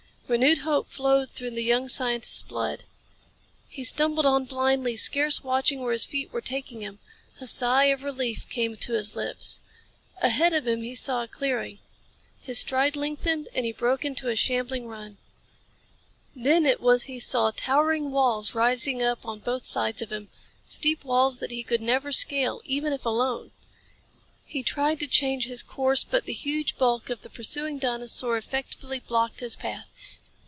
Renewed hope flowed through the young scientist's blood. He stumbled on blindly, scarce watching where his feet were taking him. A sigh of relief came to his lips. Ahead of him he saw a clearing. His stride lengthened and he broke into a shambling run. Then it was he saw, towering walls rising up on both sides of him steep walls that he could never scale, even if alone. He tried to change his course, but the huge bulk of the pursuing dinosaur effectively blocked his path.